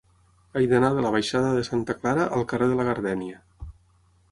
He d'anar de la baixada de Santa Clara al carrer de la Gardènia.